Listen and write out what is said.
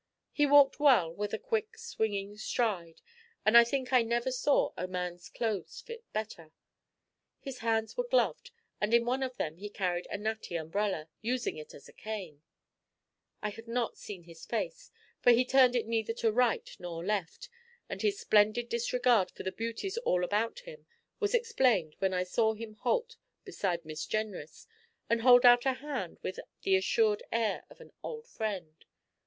He walked well, with a quick, swinging stride, and I think I never saw a man's clothes fit better. His hands were gloved, and in one of them he carried a natty umbrella, using it as a cane. I had not seen his face, for he turned it neither to right nor left; and his splendid disregard for the beauties all about him was explained when I saw him halt beside Miss Jenrys and hold out a hand with the assured air of an old friend.